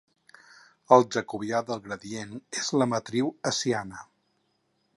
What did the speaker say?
El jacobià del gradient és la matriu hessiana.